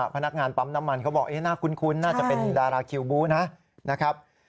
พนักงานปั๊มน้ำมันเขาบอกน่าคุ้นน่าจะเป็นดาราคิวบูนะครับ